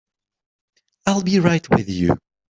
I'll be right with you.